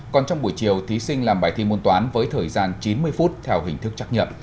còn trong buổi chiều thí sinh làm bài thi môn toán với thời gian chín mươi phút theo hình thức chắc nhận